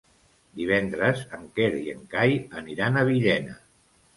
Divendres en Quer i en Cai aniran a Villena.